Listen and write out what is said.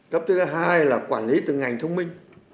cấp thứ hai là quản lý từ ngành thông minh